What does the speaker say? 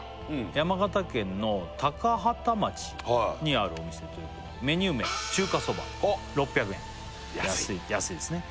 山形県の高畠町にあるお店ということでメニュー名中華そば６００円安い安いですね